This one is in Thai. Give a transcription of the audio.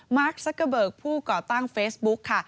มาร์คซักเกอร์เบิร์กผู้ก่อตั้งเฟซบุ๊คค่ะ